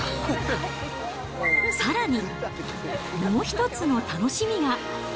さらに、もう一つの楽しみが。